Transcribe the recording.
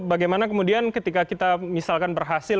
bagaimana kemudian ketika kita misalkan berhasil